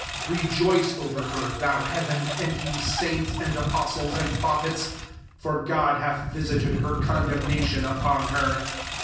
20 Rejoice over her, thou heaven, and ye saints and apostles and prophets ; for God hath visited her condem nation upon her.